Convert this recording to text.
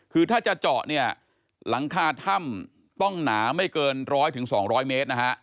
คือถ้าจะเจาะเนี่ยหลังคาถ้ำต้องหนาไม่เกิน๑๐๐๒๐๐เมตรนะฮะ